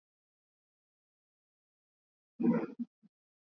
Kulielewa kusudi lako ni jambo muhimu sana.